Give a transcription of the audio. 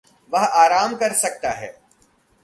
वह आराम कर सकता है।